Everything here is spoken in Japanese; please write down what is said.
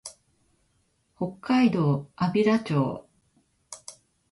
北海道安平町